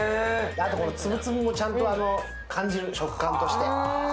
あと粒々もちゃんと感じる、食感として。